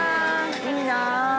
いいな！